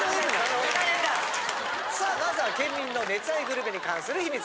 さあまずは県民の熱愛グルメに関する秘密。